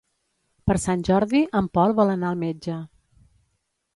Per Sant Jordi en Pol vol anar al metge.